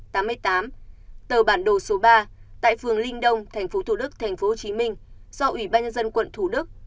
tờ bản đồ số ba tại phường linh đông thành phố thủ đức thành phố hồ chí minh do ủy ban nhân dân quận thủ đức